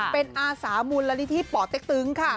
เป็นอาสามูลนิธิป่อเต็กตึงค่ะ